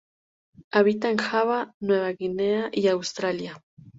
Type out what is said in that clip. Habita en Java, Nueva Guinea y Australia.